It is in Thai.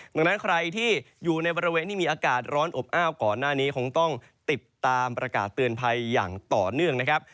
ดังนั้นใครที่อยู่ในบริเวณที่มีอากาศร้อนอบอ้าวก่อนหน้านี้คงต้องติดตามประกาศเตือนภัยอย่างต่อเนื่องนะครับ